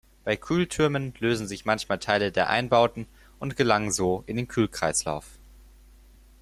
Bei Kühltürmen lösen sich manchmal Teile der Einbauten und gelangen so in den Kühlkreislauf.